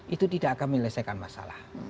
itu tidak akan menyelesaikan masalah